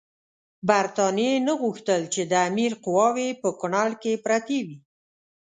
برټانیې نه غوښتل چې د امیر قواوې په کونړ کې پرتې وي.